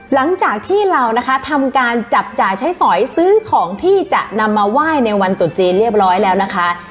หลังจากที่เรานะคะทำการจับจ่ายใช้สอยซื้อของที่จะนำมาไหว้ในวันตุดจีนเรียบร้อยแล้วนะคะ